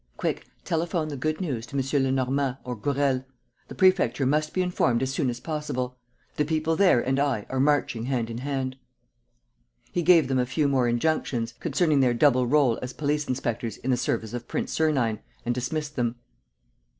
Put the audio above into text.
Quick, telephone the good news to M. Lenormand or Gourel. The Prefecture must be informed as soon as possible. The people there and I are marching hand in hand." He gave them a few more injunctions, concerning their double rôle as police inspectors in the service of Prince Sernine, and dismissed them.